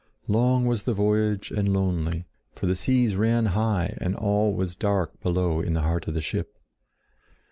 Long was the voyage and lonely; for the seas ran high and all was dark below in the heart of the ship.